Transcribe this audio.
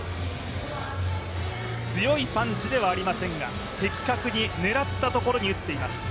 強いパンチではありませんが的確に狙ったところに打っています。